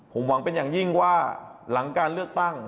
ผมหวังเป็นอย่างยิ่งว่าหลังการเลือกตั้ง